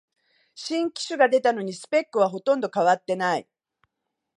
新機種が出たのにスペックはほとんど変わってない